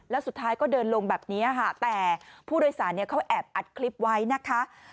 แล้วสุดท้ายก็เดินลงแบบนี้ค่ะแต่ผู้โดยสารเขาแอบอัดคลิปไว้นะคะ